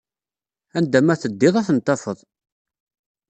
Anda ma teddid, ad tent-tafed.